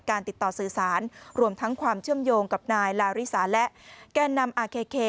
ติดต่อสื่อสารรวมทั้งความเชื่อมโยงกับนายลาริสาและแก่นำอาเค